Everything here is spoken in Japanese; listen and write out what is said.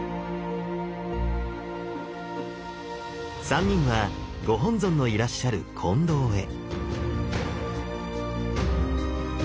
三人はご本尊のいらっしゃる金堂へ。